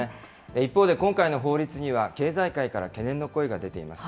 一方で、今回の法律には経済界から懸念の声が出ています。